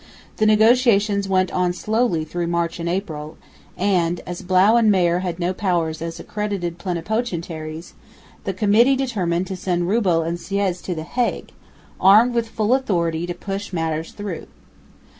The negotiations went on slowly through March and April; and, as Blauw and Meyer had no powers as accredited plenipotentiaries, the Committee determined to send Rewbell and Siéyès to the Hague, armed with full authority to push matters through.